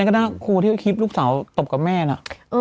นั่นก็น่ากลัวแบบคลิปลูกสาวตบกับแม่อ่ะ